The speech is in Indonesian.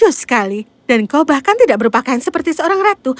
lu sekali dan kau bahkan tidak berpakaian seperti seorang ratu